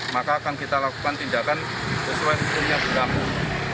maka akan kita lakukan tindakan sesuai suku nya bergabung